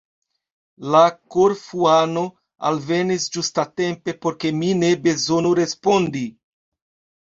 La Korfuano alvenis ĝustatempe, por ke mi ne bezonu respondi.